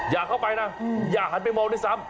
อย่าเข้าไปนะอย่าหันไปมองด้วยซ้ำ